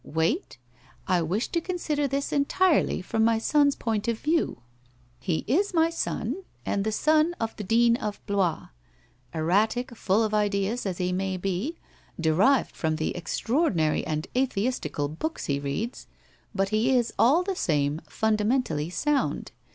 Wait ! I wish to consider this entirely from my son's WHITE ROSE OF WEARY LEAF 185 point of view. He is my son, and the son of the Dean of Blois. Erratic, full of ideas, as he may be, derived from the extraordinary and atheistical books he reads, but he is, all the same, fundamentally sound.